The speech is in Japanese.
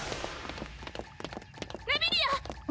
ラビリア！